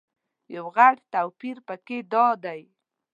یو غټ توپیر په کې دادی.